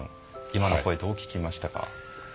今の声どう聞きましたか？